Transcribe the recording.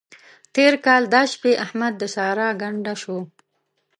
تېر کال دا شپې احمد د سارا ګنډه شو.